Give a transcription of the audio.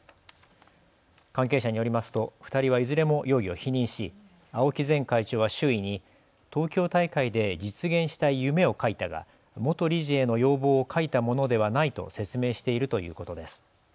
関係者によりますと２人はいずれも容疑を否認し青木前会長は周囲に東京大会で実現したい夢を書いたが元理事への要望を書いたものではないと説明しているということです。